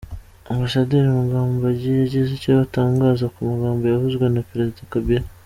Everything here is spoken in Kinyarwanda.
Ambasaderi Mugambage yagize icyo atangaza ku magambo yavuzwe na Perezida Kabila